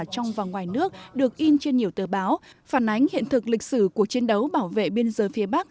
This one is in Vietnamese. trong và ngoài nước được in trên nhiều tờ báo phản ánh hiện thực lịch sử cuộc chiến đấu bảo vệ biên giới phía bắc